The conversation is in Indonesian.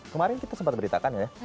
kemarin kita sempat beritakan ya